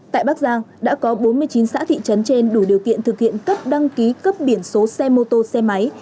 tại bắc giang đã có bốn mươi chín xã thị trấn trên đủ điều kiện thực hiện cấp đăng ký cấp biển số xe mô tô xe máy